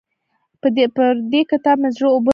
پر دې کتاب مې زړه اوبه نه څښي.